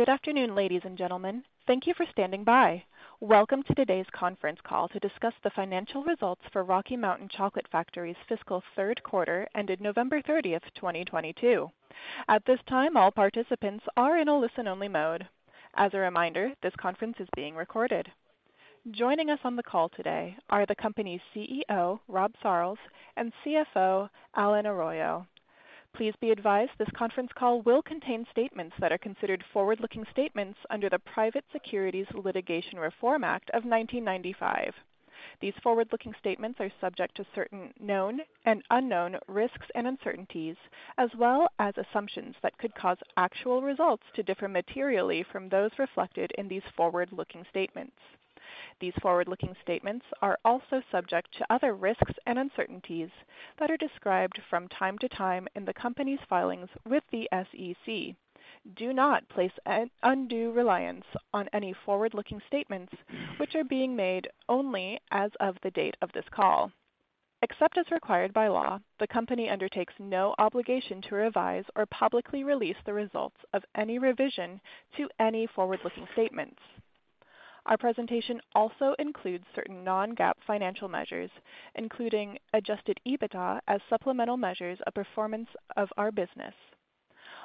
Good afternoon, ladies and gentlemen. Thank you for standing by. Welcome to today's conference call to discuss the financial results for Rocky Mountain Chocolate Factory's fiscal third quarter ended November 30, 2022. At this time, all participants are in a listen-only mode. As a reminder, this conference is being recorded. Joining us on the call today are the company's CEO, Rob Sarlls, and CFO, Allen Arroyo. Please be advised this conference call will contain statements that are considered forward-looking statements under the Private Securities Litigation Reform Act of 1995. These forward-looking statements are subject to certain known and unknown risks and uncertainties, as well as assumptions that could cause actual results to differ materially from those reflected in these forward-looking statements. These forward-looking statements are also subject to other risks and uncertainties that are described from time to time in the company's filings with the SEC. Do not place an undue reliance on any forward-looking statements which are being made only as of the date of this call. Except as required by law, the company undertakes no obligation to revise or publicly release the results of any revision to any forward-looking statements. Our presentation also includes certain non-GAAP financial measures, including Adjusted EBITDA, as supplemental measures of performance of our business.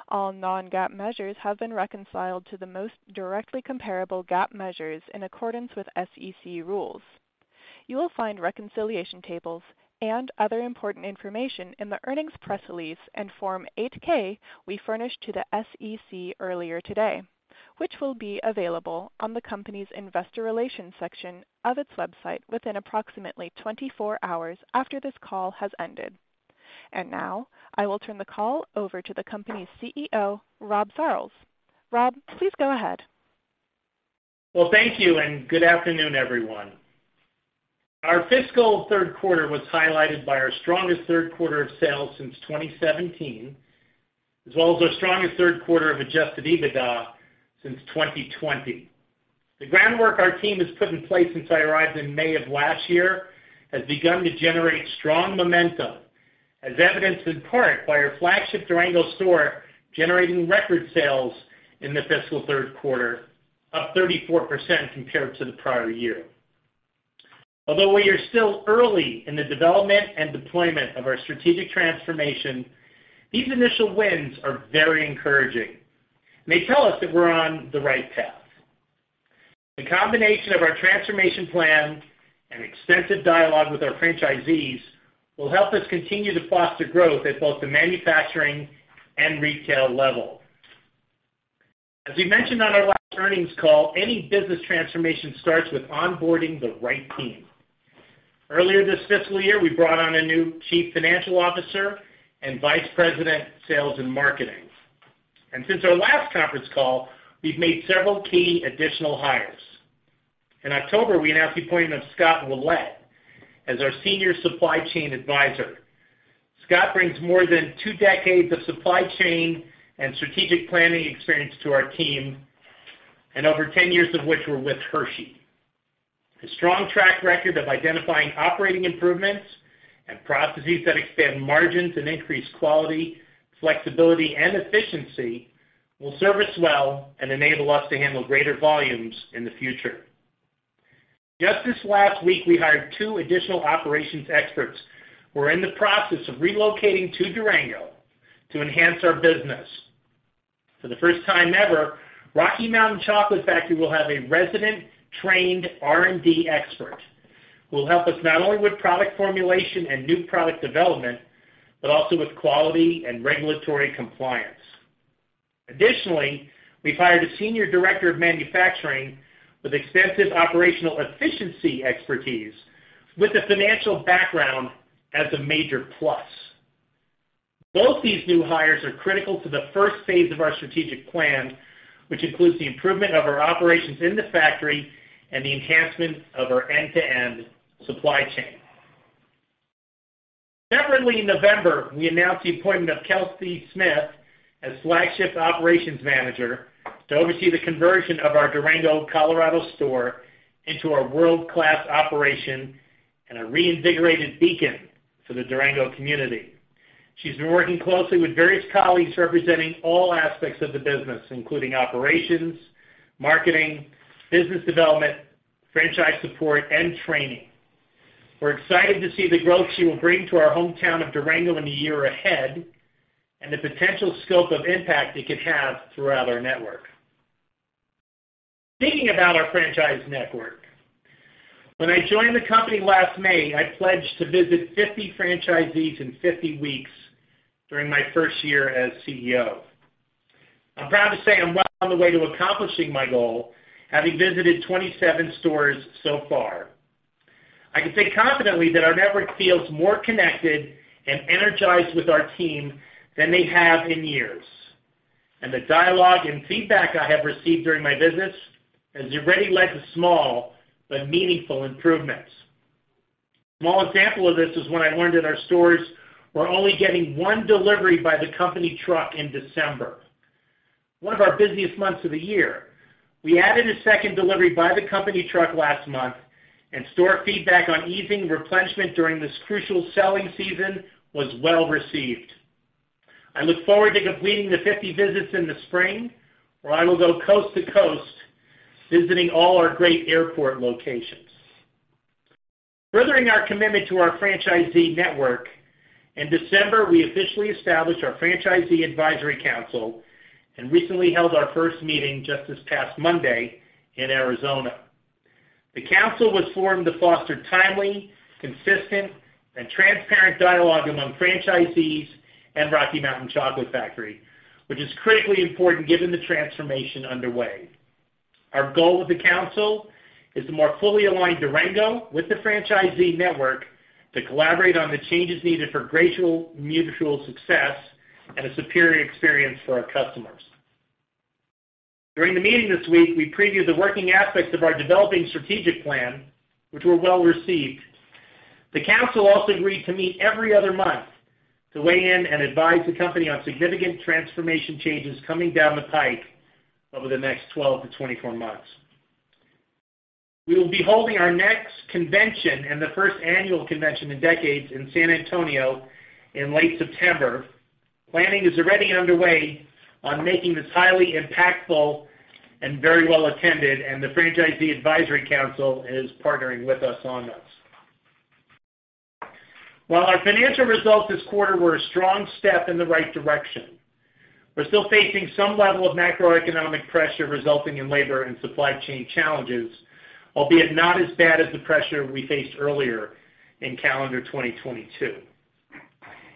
All non-GAAP measures have been reconciled to the most directly comparable GAAP measures in accordance with SEC rules. You will find reconciliation tables and other important information in the earnings press release and Form 8-K we furnished to the SEC earlier today, which will be available on the company's investor relations section of its website within approximately 24 hours after this call has ended. Now, I will turn the call over to the company's CEO, Rob Sarlls. Rob, please go ahead. Well, thank you, and good afternoon, everyone. Our fiscal third quarter was highlighted by our strongest third quarter of sales since 2017, as well as our strongest third quarter of Adjusted EBITDA since 2020. The groundwork our team has put in place since I arrived in May of last year has begun to generate strong momentum, as evidenced in part by our flagship Durango store generating record sales in the fiscal third quarter, up 34% compared to the prior year. Although we are still early in the development and deployment of our strategic transformation, these initial wins are very encouraging, and they tell us that we're on the right path. The combination of our transformation plan and extensive dialogue with our franchisees will help us continue to foster growth at both the manufacturing and retail level. As we mentioned on our last earnings call, any business transformation starts with onboarding the right team. Earlier this fiscal year, we brought on a new Chief Financial Officer and Vice President, Sales and Marketing. Since our last conference call, we've made several key additional hires. In October, we announced the appointment of Scott Ouellet as our Senior Supply Chain Advisor. Scott brings more than two decades of supply chain and strategic planning experience to our team, and over 10 years of which were with Hershey. His strong track record of identifying operating improvements and processes that expand margins and increase quality, flexibility, and efficiency will serve us well and enable us to handle greater volumes in the future. Just this last week, we hired two additional operations experts who are in the process of relocating to Durango to enhance our business. For the first time ever, Rocky Mountain Chocolate Factory will have a resident trained R&D expert who will help us not only with product formulation and new product development, but also with quality and regulatory compliance. Additionally, we've hired a senior director of manufacturing with extensive operational efficiency expertise with a financial background as a major plus. Both these new hires are critical to the first phase of our strategic plan, which includes the improvement of our operations in the factory and the enhancement of our end-to-end supply chain. Separately, in November, we announced the appointment of Kelsey Smith as flagship operations manager to oversee the conversion of our Durango, Colorado store into a world-class operation and a reinvigorated beacon for the Durango community. She's been working closely with various colleagues representing all aspects of the business, including operations, marketing, business development, franchise support, and training. We're excited to see the growth she will bring to our hometown of Durango in the year ahead and the potential scope of impact it could have throughout our network. Speaking about our franchise network, when I joined the company last May, I pledged to visit 50 franchisees in 50 weeks during my first year as CEO. I'm proud to say I'm well on the way to accomplishing my goal, having visited 27 stores so far. I can say confidently that our network feels more connected and energized with our team than they have in years. The dialogue and feedback I have received during my visits has already led to small but meaningful improvements. A small example of this is when I learned that our stores were only getting one delivery by the company truck in December, one of our busiest months of the year. We added a second delivery by the company truck last month. Store feedback on easing replenishment during this crucial selling season was well received. I look forward to completing the 50 visits in the spring, where I will go coast to coast, visiting all our great airport locations. Furthering our commitment to our franchisee network, in December, we officially established our Franchisee Advisory Council and recently held our first meeting just this past Monday in Arizona. The council was formed to foster timely, consistent, and transparent dialogue among franchisees and Rocky Mountain Chocolate Factory, which is critically important given the transformation underway. Our goal with the council is to more fully align Durango with the franchisee network to collaborate on the changes needed for gradual mutual success and a superior experience for our customers. During the meeting this week, we previewed the working aspects of our developing strategic plan, which were well-received. The council also agreed to meet every other month to weigh in and advise the company on significant transformation changes coming down the pike over the next 12 to 24 months. We will be holding our next convention and the first annual convention in decades in San Antonio in late September. Planning is already underway on making this highly impactful and very well attended. The Franchisee Advisory Council is partnering with us on this. While our financial results this quarter were a strong step in the right direction, we're still facing some level of macroeconomic pressure resulting in labor and supply chain challenges, albeit not as bad as the pressure we faced earlier in calendar 2022.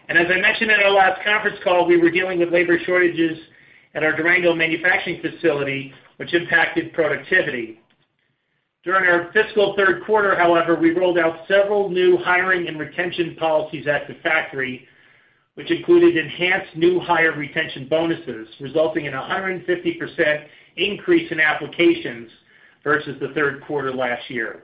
As I mentioned in our last conference call, we were dealing with labor shortages at our Durango manufacturing facility, which impacted productivity. During our fiscal third quarter, however, we rolled out several new hiring and retention policies at the factory, which included enhanced new hire retention bonuses, resulting in a 150% increase in applications versus the third quarter last year.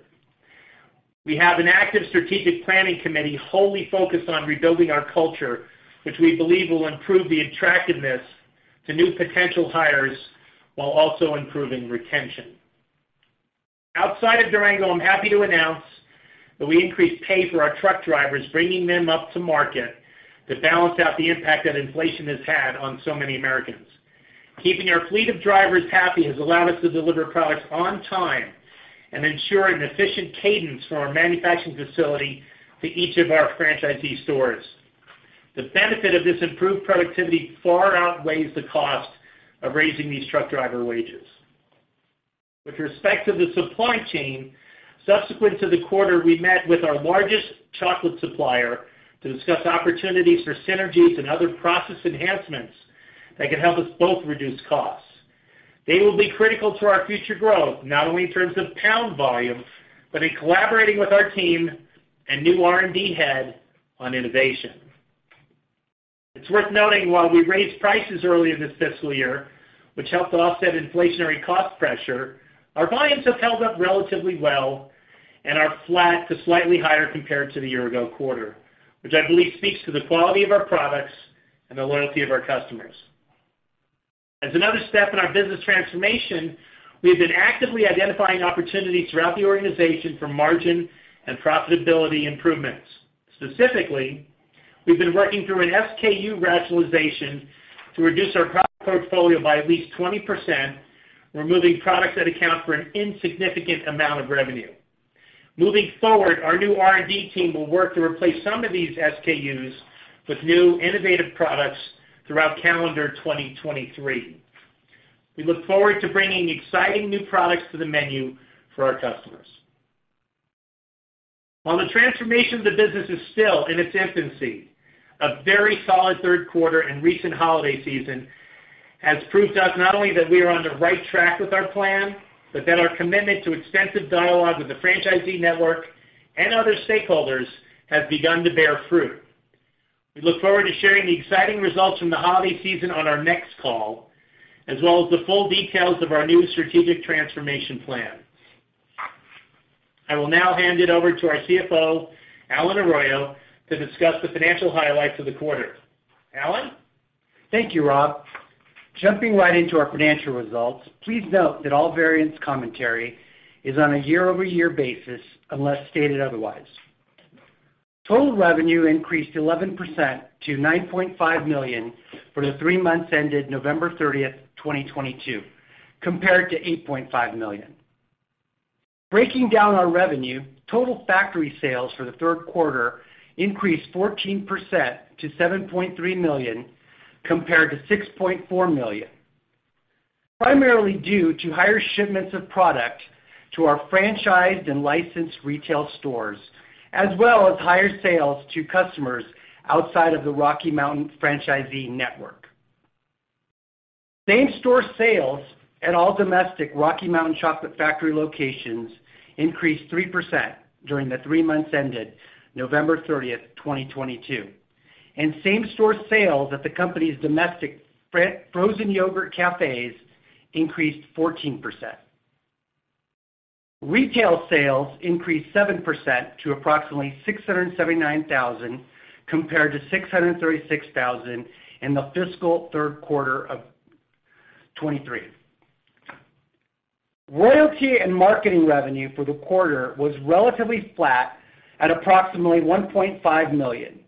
We have an active strategic planning committee wholly focused on rebuilding our culture, which we believe will improve the attractiveness to new potential hires while also improving retention. Outside of Durango, I'm happy to announce that we increased pay for our truck drivers, bringing them up to market to balance out the impact that inflation has had on so many Americans. Keeping our fleet of drivers happy has allowed us to deliver products on time and ensure an efficient cadence from our manufacturing facility to each of our franchisee stores. The benefit of this improved productivity far outweighs the cost of raising these truck driver wages. With respect to the supply chain, subsequent to the quarter, we met with our largest chocolate supplier to discuss opportunities for synergies and other process enhancements that could help us both reduce costs. They will be critical to our future growth, not only in terms of pound volume, but in collaborating with our team and new R&D head on innovation. It's worth noting while we raised prices early in this fiscal year, which helped to offset inflationary cost pressure, our volumes have held up relatively well and are flat to slightly higher compared to the year-ago quarter, which I believe speaks to the quality of our products and the loyalty of our customers. As another step in our business transformation, we have been actively identifying opportunities throughout the organization for margin and profitability improvements. Specifically, we've been working through an SKU rationalization to reduce our product portfolio by at least 20%, removing products that account for an insignificant amount of revenue. Moving forward, our new R&D team will work to replace some of these SKUs with new innovative products throughout calendar 2023. We look forward to bringing exciting new products to the menu for our customers. While the transformation of the business is still in its infancy, a very solid third quarter and recent holiday season has proved to us not only that we are on the right track with our plan, but that our commitment to extensive dialogue with the franchisee network and other stakeholders has begun to bear fruit. We look forward to sharing the exciting results from the holiday season on our next call, as well as the full details of our new strategic transformation plan. I will now hand it over to our CFO, Allen Arroyo, to discuss the financial highlights of the quarter. Allen? Thank you, Rob. Jumping right into our financial results, please note that all variance commentary is on a year-over-year basis unless stated otherwise. Total revenue increased 11% to $9.5 million for the three months ended November 30, 2022, compared to $8.5 million. Breaking down our revenue, total factory sales for the third quarter increased 14% to $7.3 million compared to $6.4 million, primarily due to higher shipments of product to our franchised and licensed retail stores, as well as higher sales to customers outside of the Rocky Mountain franchisee network. Same-store sales at all domestic Rocky Mountain Chocolate Factory locations increased 3% during the three months ended November 30, 2022. Same-store sales at the company's domestic frozen yogurt cafes increased 14%. Retail sales increased 7% to approximately $679,000 compared to $636,000 in the fiscal third quarter of 2023. Royalty and marketing revenue for the quarter was relatively flat at approximately $1.5 million.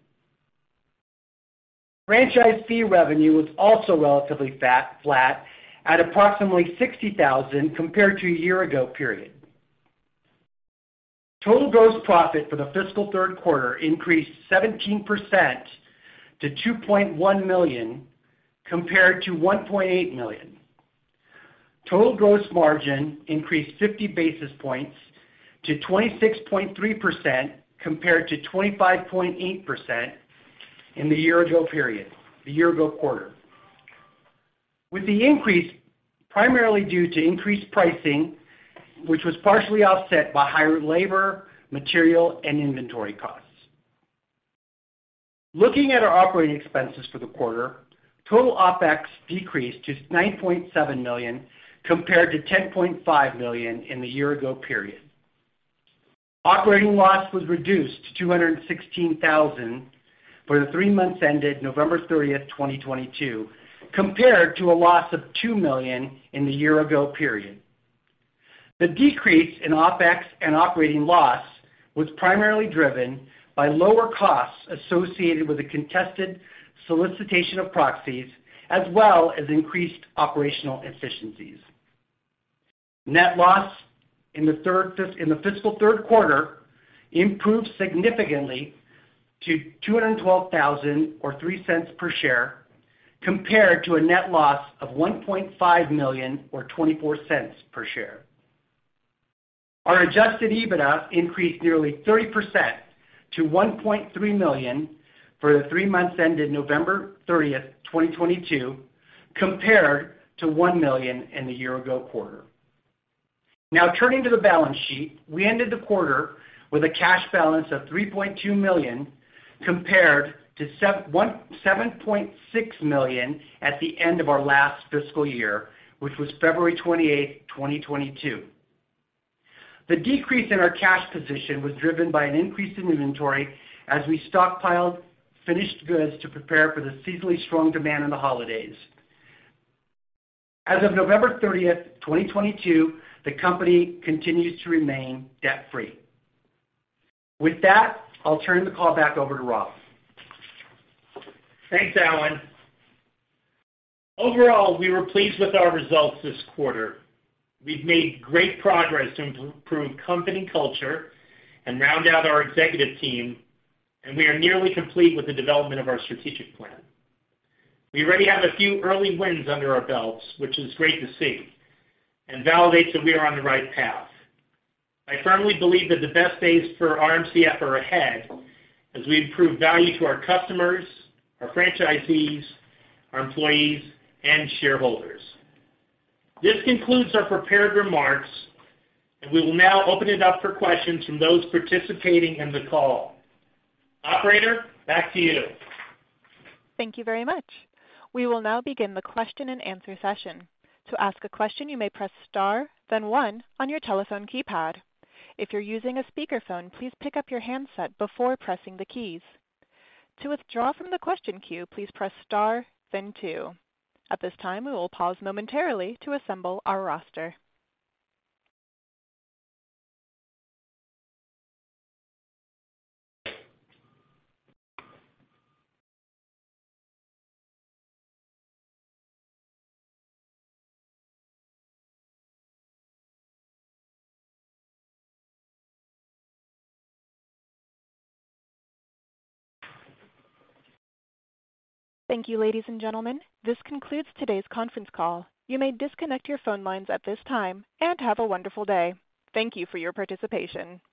Franchise fee revenue was also relatively flat at approximately $60,000 compared to a year-ago period. Total gross profit for the fiscal third quarter increased 17% to $2.1 million compared to $1.8 million. Total gross margin increased 50 basis points to 26.3% compared to 25.8% in the year-ago period, the year-ago quarter. With the increase primarily due to increased pricing, which was partially offset by higher labor, material, and inventory costs. Looking at our operating expenses for the quarter, total OpEx decreased to $9.7 million compared to $10.5 million in the year-ago period. Operating loss was reduced to $216,000 for the three months ended November 30th, 2022, compared to a loss of $2 million in the year-ago period. The decrease in OpEx and operating loss was primarily driven by lower costs associated with the contested solicitation of proxies, as well as increased operational efficiencies. Net loss in the fiscal third quarter improved significantly to $212,000 or $0.03 per share, compared to a net loss of $1.5 million or $0.24 per share. Our Adjusted EBITDA increased nearly 30% to $1.3 million for the 3 months ended November 30, 2022, compared to $1 million in the year ago quarter. Turning to the balance sheet. We ended the quarter with a cash balance of $3.2 million compared to $7.6 million at the end of our last fiscal year, which was February 28, 2022. The decrease in our cash position was driven by an increase in inventory as we stockpiled finished goods to prepare for the seasonally strong demand in the holidays. As of November 30, 2022, the company continues to remain debt-free. With that, I'll turn the call back over to Rob. Thanks, Allen. Overall, we were pleased with our results this quarter. We've made great progress to improve company culture and round out our executive team. We are nearly complete with the development of our strategic plan. We already have a few early wins under our belts, which is great to see and validates that we are on the right path. I firmly believe that the best days for RMCF are ahead as we improve value to our customers, our franchisees, our employees, and shareholders. This concludes our prepared remarks. We will now open it up for questions from those participating in the call. Operator, back to you. Thank you very much. We will now begin the question-and-answer session. To ask a question, you may press Star, then one on your telephone keypad. If you're using a speakerphone, please pick up your handset before pressing the keys. To withdraw from the question queue, please press Star then two. At this time, we will pause momentarily to assemble our roster. Thank you, ladies and gentlemen. This concludes today's conference call. You may disconnect your phone lines at this time and have a wonderful day. Thank you for your participation.